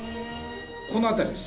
この辺りです。